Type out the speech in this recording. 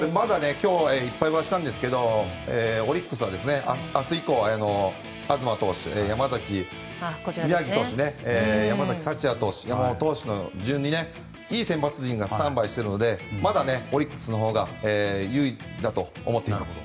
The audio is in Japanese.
今日は１敗したんですけどオリックスは明日以降、東投手、宮城投手山崎投手、山本投手の順にいい投手がスタンバイしているのでまだオリックスのほうが有利だと思っています。